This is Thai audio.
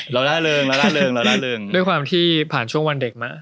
ร่าเริงเราล่าเริงเราล่าเริงด้วยความที่ผ่านช่วงวันเด็กมา